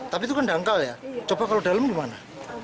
tapi itu kan dangkal ya coba kalau dalam gimana